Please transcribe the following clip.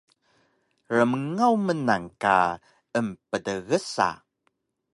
Rmngaw mnan ka emptgsa